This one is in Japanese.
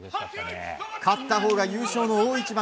勝ったほうが優勝の大一番。